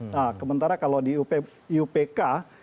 nah kementara kalau di upk